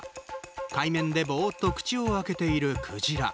海面でボーっと口を開けているクジラ。